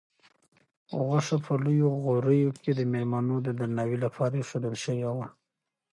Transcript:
غوښه په لویو غوریو کې د مېلمنو د درناوي لپاره ایښودل شوې وه.